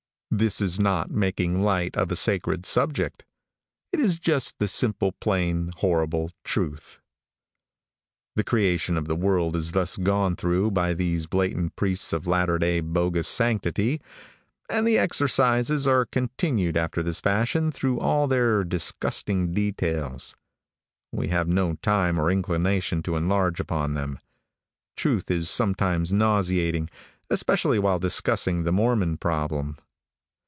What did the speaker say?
This is not making light of a sacred subject. It is just the simple, plain, horrible truth. [Illustration: 0265] The creation of the world is thus gone through with by these blatant priests of Latter Day bogus sanctity, and the exercises are continued after this fashion through all their disgusting details. We have no time or inclination to enlarge upon them. Truth is sometimes nauseating, especially while discussing the Mormon problem.